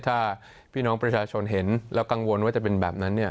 ถ้าพี่น้องประชาชนเห็นแล้วกังวลว่าจะเป็นแบบนั้นเนี่ย